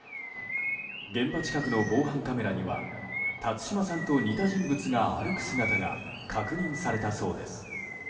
現場近くの防犯カメラには辰島さんと似た人物が歩く姿が確認されたそうです。